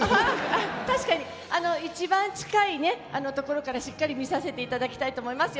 一番近いところからしっかり見させていただきたいと思います。